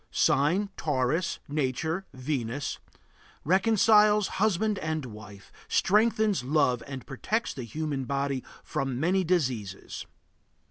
Sign: Taurus. Nature: Venus. Reconciles husband and wife, strengthens love, and protects the human body from many diseases.